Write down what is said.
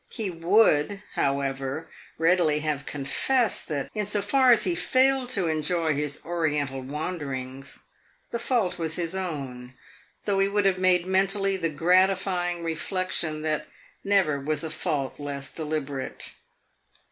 He would, however, readily have confessed that, in so far as he failed to enjoy his Oriental wanderings, the fault was his own; though he would have made mentally the gratifying reflection that never was a fault less deliberate.